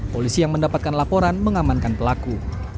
polisi yang mendapatkan laporan mengamankan pelaku